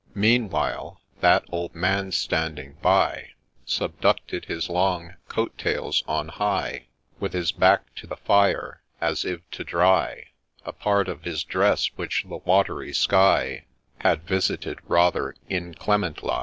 Meanwhile that old man standing by, Subducted his long coat tails on high, With his back to the fire, as if to dry A part of his dress which the watery sky Had visited rather inclemently.